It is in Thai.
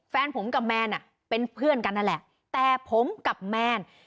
แฟนผมกับแมนอ่ะเป็นเพื่อนกันนั่นแหละแต่ผมกับแมน